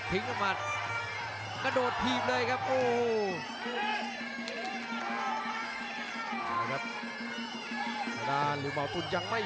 แต่ไม่ใช่เลยครับท่านผู้ชมครับ